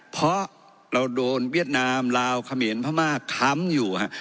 เพราะเราโดนเวียดนามลาวเขมรพม่าค้ำอยู่